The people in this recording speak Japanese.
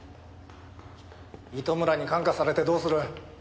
糸村に感化されてどうする。